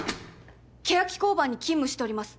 けやき交番に勤務しております